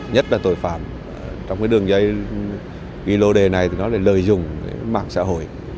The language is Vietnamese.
nhất là tội phạm trong cái đường dây ghi lô đề này thì nó lại lợi dụng mạng xã hội